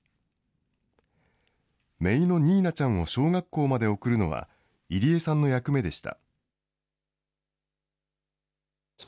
めいのにいなちゃんを小学校まで送るのは入江さんの役目でした。